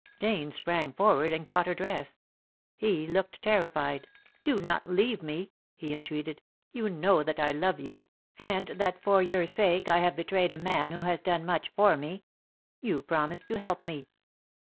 Dane sprang forward and caught her dress. He looked terrified. "Do not leave me," he entreated. "You know that I love you, and that for your sake I have betrayed a man who has done much for me. You promised to help me."